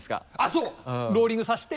そうローリングさせて。